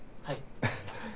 はい。